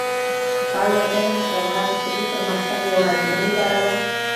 آيا ازاده مطالعه د فکري پرمختګ يوازينۍ لاره ده؟